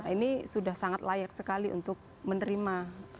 ini sudah sangat layak sekali untuk menerima